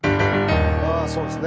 ああそうですね。